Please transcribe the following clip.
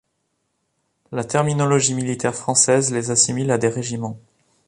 La terminologie militaire française les assimile à des régiments.